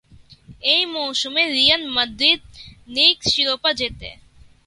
এই মৌসুমে Real Madrid league শিরোপা জেতে।